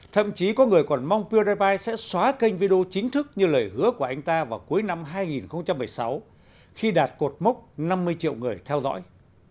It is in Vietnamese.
thậm chí có người còn mong pierrepite sẽ xóa kênh video chính thức như lời hứa của anh ta vào cuối năm hai nghìn một mươi sáu khi đạt cột mốc năm mươi triệu người theo dõi